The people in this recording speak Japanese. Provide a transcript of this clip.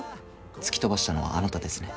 突き飛ばしたのはあなたですね？